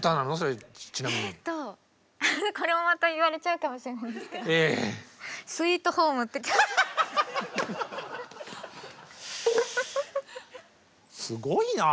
これもまた言われちゃうかもしれないんですけどすごいな。